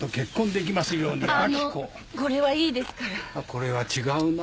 これは違うな。